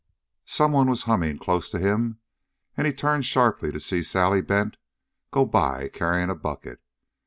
Someone was humming close to him, and he turned sharply to see Sally Bent go by, carrying a bucket.